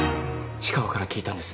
氷川から聞いたんです。